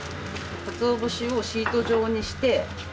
かつお節をシート状にして。